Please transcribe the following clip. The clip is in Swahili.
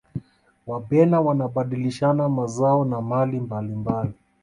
wabena wanabadilishana mazao na mali mbalimbali